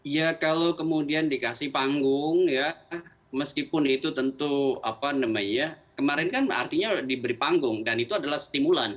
ya kalau kemudian dikasih panggung ya meskipun itu tentu apa namanya kemarin kan artinya diberi panggung dan itu adalah stimulan